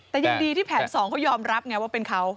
แต่ยังดีที่แผนสองเขายอมรับไงว่าเป็นเขา